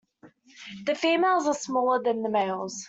The females are smaller than the males.